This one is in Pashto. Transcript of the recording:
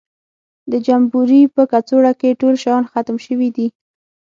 د جمبوري په کڅوړه کې ټول شیان ختم شوي دي.